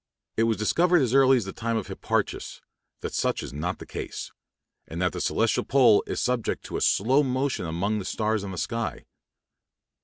It was discovered as early as the time of Hipparchus (p. 39) that such is not the case, and that the celestial pole is subject to a slow motion among the stars on the sky.